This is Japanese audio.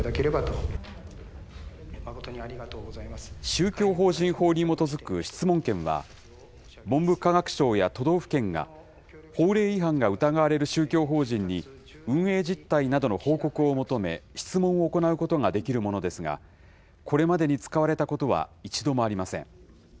宗教法人法に基づく質問権は、文部科学省や都道府県が、法令違反が疑われる宗教法人に、運営実態などの報告を求め、質問を行うことができるものですが、これまでに使われたことは一度もありません。